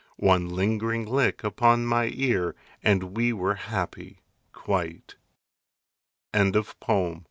One lingering lick upon my ear And we were happy quite. ANONYMOUS.